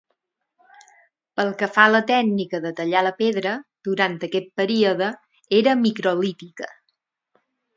Pel que fa a la tècnica de tallar la pedra, durant aquest període, era microlítica.